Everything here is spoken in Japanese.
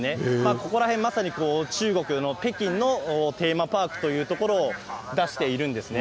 ここら辺、まさに中国の北京のテーマパークというところを出しているんですね。